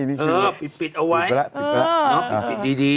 พิ่งปิดเอาไว้